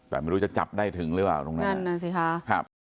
แต่ไม่รู้จะจับได้ถึงหรือว่าตรงนั้นนั่นสิค่ะ